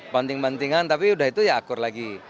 banting bantingan tapi udah itu ya akur lagi